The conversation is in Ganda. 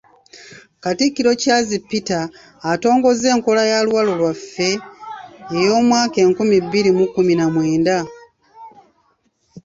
Katikkiro Charles Peter atongozza enkola ya Luwalo Lwaffe ey'omwaka enkumi bbiri mu kkumi na mwenda.